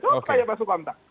coba tanya pak sukamta